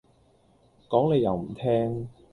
講你又唔聽